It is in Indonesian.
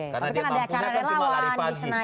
karena dia mampunya kan cuma lari pagi